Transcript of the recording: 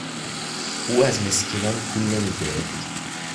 او از مسکینان پول نمیگرفت.